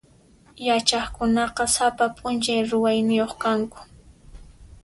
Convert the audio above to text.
Yachaqkunaqa sapa p'unchay ruwayniyuq kanku.